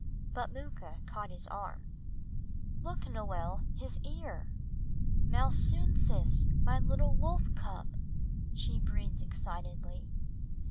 But Mooka caught his arm "Look, Noel, his ear! Malsunsis, my little wolf cub," she breathed excitedly.